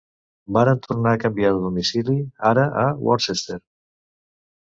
Varen tornar a canviar de domicili ara a Worcester.